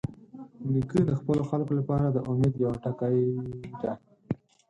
نیکه د خپلو خلکو لپاره د امید یوه ټکۍ ده.